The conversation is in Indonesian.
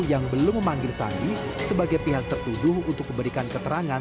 yang belum memanggil sandi sebagai pihak tertuduh untuk memberikan keterangan